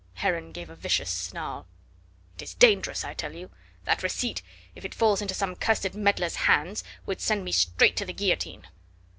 Heron gave a vicious snarl. "It is dangerous, I tell you. That receipt, if it falls into some cursed meddler's hands, would send me straight to the guillotine."